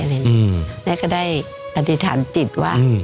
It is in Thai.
แล้วก็ได้อธิษฐานจิตว่า